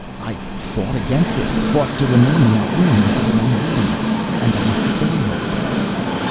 I fought against it, fought to remain in that room and go on reading. And I failed."